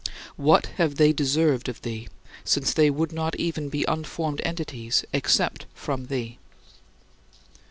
What have they deserved of thee, since they would not even be unformed entities except from thee?